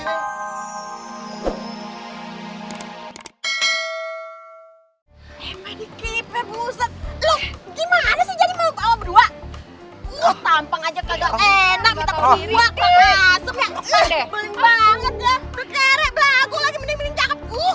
kayaknya buset lu gimana sih jadi mau bawa berdua tampang aja kagak enak